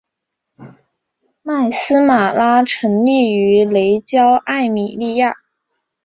麦丝玛拉成立于雷焦艾米利亚。